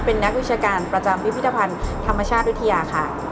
เป็นนักวิชาการประจำพิพิธภัณฑ์ธรรมชาติวิทยาค่ะ